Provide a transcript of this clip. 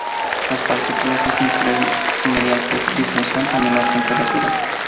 Las partículas se hacen crecer mediante difusión a menor temperatura.